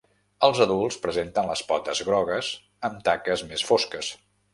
Els adults presenten les potes grogues amb taques més fosques.